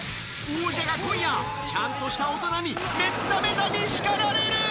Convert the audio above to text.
王者が今夜、ちゃんとした大人にめっためたにしかられる。